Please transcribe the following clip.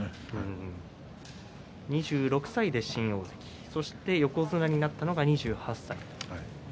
２６歳で新大関、そして横綱になったのは２８歳でした。